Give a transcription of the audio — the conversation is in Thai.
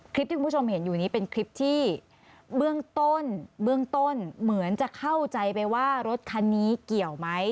คลิปที่คุณผู้ชมเห็นอยู่นี้เป็นคลิปที่เบื้องต้นเบื้องต้นเหมือนจะเข้าใจไปว่ารถคันนี้เกี่ยวไหม